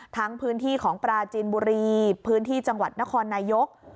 พื้นที่ของปราจีนบุรีพื้นที่จังหวัดนครนายก